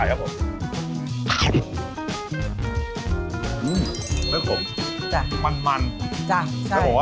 คุณหลีกพุทธค่ะมึงนะครับอาหารสนหัวเราจะต้องชี่กันแล้วนะฮะ